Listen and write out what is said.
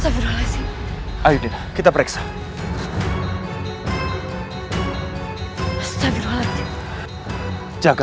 ternyata gusti ratu kentering manik